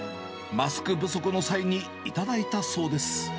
マスク不足の際に頂いたそうです。